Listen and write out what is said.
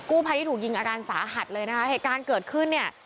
ภัยที่ถูกยิงอาการสาหัสเลยนะคะเหตุการณ์เกิดขึ้นเนี่ย